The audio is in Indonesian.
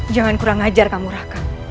jangan kurang ajar kamu raka